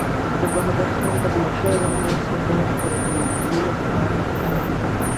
د بهادر خان تر مشرۍ لاندې څلور زره جنګيالي له کلا را ووتل.